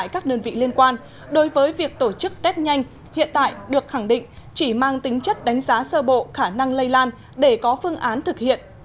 các đơn vị liên quan đối với việc tổ chức test nhanh hiện tại được khẳng định chỉ mang tính chất đánh giá sơ bộ khả năng lây lan để có phương án thực hiện